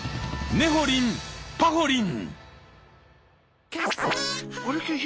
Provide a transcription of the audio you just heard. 「ねほりんぱほりん」